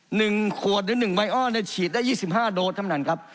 หนึ่งขวดหรือหนึ่งไวอ้อในฉีดได้ยี่สิบห้าโดสธรรมฐานครับ